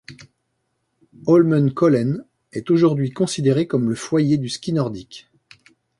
Holmenkollen est aujourd'hui considéré comme le foyer du ski nordique.